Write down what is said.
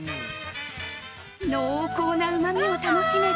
濃厚なうまみを楽しめる